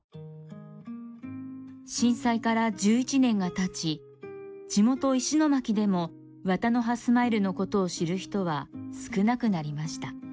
震災から１１年が経ち地元石巻でもワタノハスマイルのことを知る人は少なくなりました。